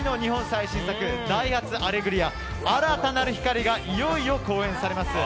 最新作「ダイハツアレグリア‐新たなる光‐」がいよいよ公演されます。